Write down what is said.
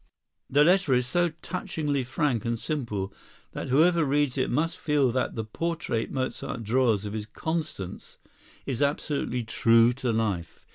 The letter is so touchingly frank and simple that whoever reads it must feel that the portrait Mozart draws of his Constance is absolutely true to life.